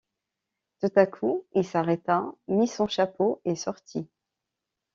Tout à coup, il s’arrêta, mit son chapeau et sortit.